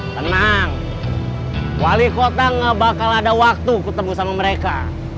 tenang wali kota gak bakal ada waktu ketemu sama mereka